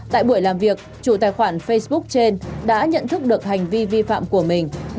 tại buổi làm việc chủ tài khoản facebook trên đã nhận thức được hành vi vi phạm của mình